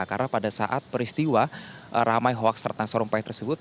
karena pada saat peristiwa ramai hoaks ratna sarumpait tersebut